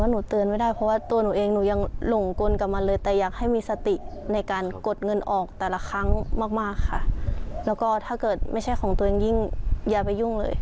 คือบางคนเนี่ยพลาดไปแล้วไง